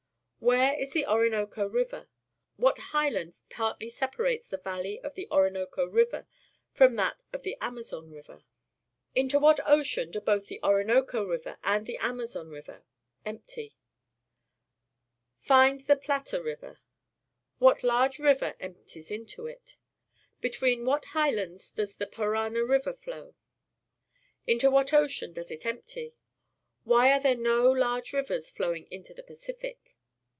Where is the Orinoco River? What highland partly separates the valley of the Orinoco River from that of the Amazon River? Into what ocean do both the Orinoco River and the Amazon River empty? Find the Plata River. What large river emp ties into it? Between what highlands docs the Parana River flow? Into what ocean does it empty? Why are there no large rivers flowing into the Pacific?